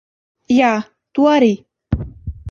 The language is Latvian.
Jā, tu arī.